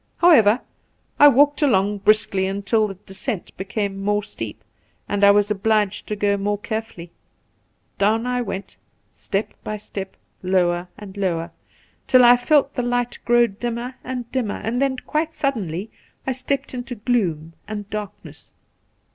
However, I walked along briskly until the descent became more steep and I was obliged to go more carefuUy. Down I went, step by step, lower and lower, till I felt the^ light grow dimmer The Pool 179 and dimmer, and then quite suddenly I stepped into gloom and darkness.